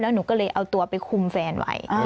หนูก็เลยเอาตัวไปคุมแฟนไว้